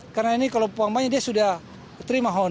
karena ini kalau pembayangannya dia sudah terima